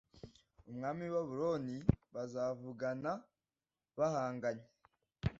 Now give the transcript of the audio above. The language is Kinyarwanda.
umwami w i babuloni bazavugana bahanganye